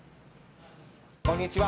こんにちは。